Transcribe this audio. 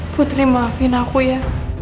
putri maafin aku ya